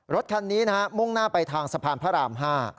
รถคันนี้นะฮะมุ่งหน้าไปทางสะพานพระราม๕